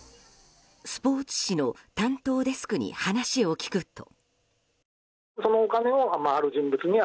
スポーツ紙の担当デスクに話を聞くと。